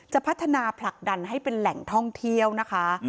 จะพัฒนาผลักดันให้เป็นแหล่งท่องเที่ยวนะคะ